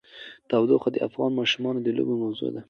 تودوخه د افغان ماشومانو د لوبو موضوع ده.